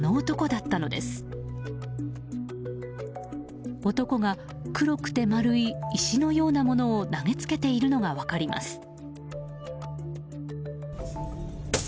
男が、黒くて丸い石のようなものを投げつけているのが分かります。